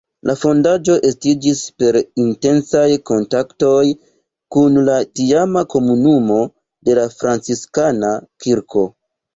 La fondaĵo estiĝis per intensaj kontaktoj kun la tiama komunumo de la Franciskana kirko.